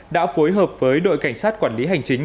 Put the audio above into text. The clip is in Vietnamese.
đã phối hợp với đội cảnh sát quản lý hành chính